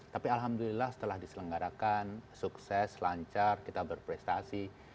tapi alhamdulillah setelah diselenggarakan sukses lancar kita berprestasi semua pihak happy